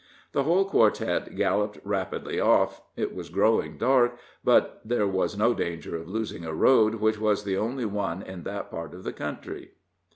The whole quartet galloped rapidly off. It was growing dark, but there was no danger of losing a road which was the only one in that part of the country.